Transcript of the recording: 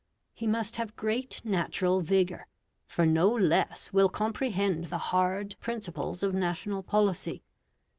He must have great natural vigour, for no less will comprehend the hard principles of national policy.